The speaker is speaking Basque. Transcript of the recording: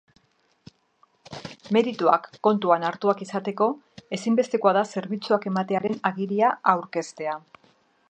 Merituak kontuan hartuak izateko, ezinbestekoa da zerbitzuak ematearen agiria aurkeztea.